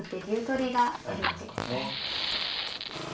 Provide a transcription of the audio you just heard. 取りがあるわけですね。